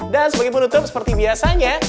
dan sebagai penutup seperti biasanya